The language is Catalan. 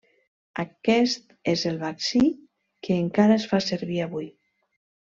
Aquest és el vaccí que encara es fa servir avui.